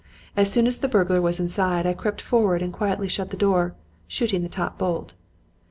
As soon as the burglar was inside, I crept forward and quietly shut the door, shooting the top bolt.